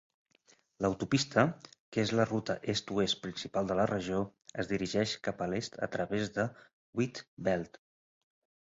L'autopista, que és la ruta est-oest principal de la regió, es dirigeix cap a l'est a través de Wheatbelt.